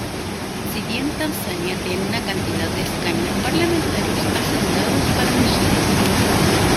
Si bien Tanzania tiene una cantidad de escaños parlamentarios asegurados para mujeres.